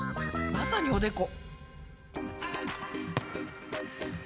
まさにおでこ。